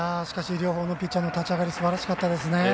両方のピッチャーの立ち上がりがすばらしかったです。